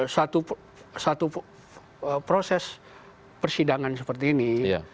satu proses persidangan seperti ini